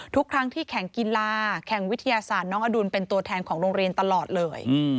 ทุกครั้งที่แข่งกีฬาแข่งวิทยาศาสตร์น้องอดุลเป็นตัวแทนของโรงเรียนตลอดเลย